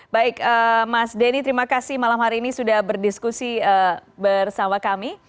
baik mas denny terima kasih malam hari ini sudah berdiskusi bersama kami